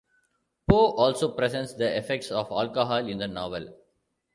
Poe also presents the effects of alcohol in the novel.